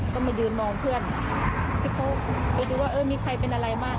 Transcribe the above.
ก็มายืนมองเพื่อนที่เขาไปดูว่าเออมีใครเป็นอะไรบ้าง